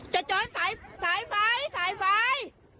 จะจอดสายไฟสายไฟ